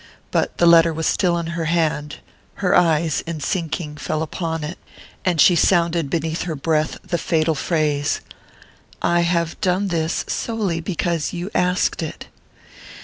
But the letter was still in her hand her eyes, in sinking, fell upon it, and she sounded beneath her breath the fatal phrase: "'I have done this solely because you asked it.'